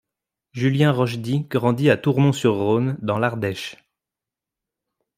Julien Rochedy grandit à Tournon-sur-Rhône, dans l'Ardèche.